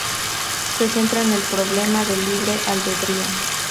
Se centra en el problema del libre albedrío.